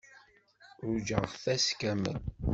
Ṛujaɣ-t ass kamel.